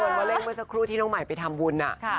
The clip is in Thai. แล้วก็เอิญว่าเลขเมื่อสักครู่ที่น้องใหม่ไปทำวุลอ่ะ